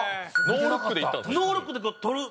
ノールックで取る。